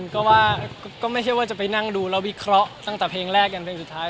ก็คิดว่าจะไปนั่งดูแล้ววิเคราะห์ตั้งแต่เพลงแรกกับเพลงสุดท้าย